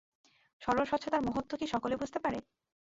সরল স্বচ্ছতার মহত্ত্ব কি সকলে বুঝতে পারে?